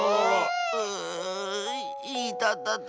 ううういたたた。